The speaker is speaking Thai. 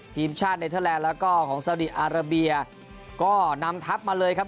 ทีมชาติเนเทอร์แลนด์แล้วก็ของสาวดีอาราเบียก็นำทัพมาเลยครับ